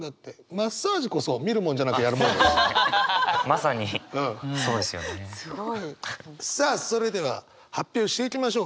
さあそれでは発表していきましょう。